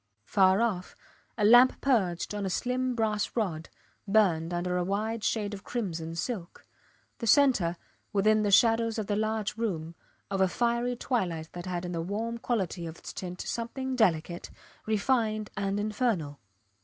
Far off, a lamp perched on a slim brass rod, burned under a wide shade of crimson silk: the centre, within the shadows of the large room, of a fiery twilight that had in the warm quality of its tint something delicate, refined and infernal.